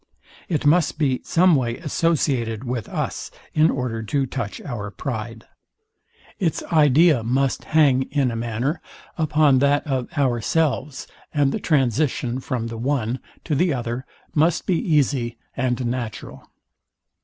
It must be some way associated with us in order to touch our pride. Its idea must hang in a manner, upon that of ourselves and the transition from the one to the other must be easy and natural.